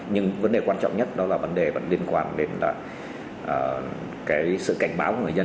nhưng vấn đề quan trọng nhất là vấn đề liên quan đến sự cảnh báo của người dân